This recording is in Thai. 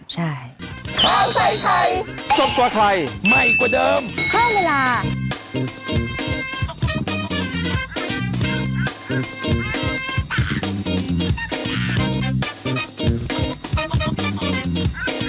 ใช่